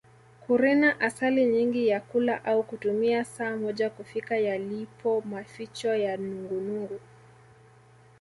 Kurina asali nyingi ya kula au kutumia saa moja kufika yalipo maficho ya nungunungu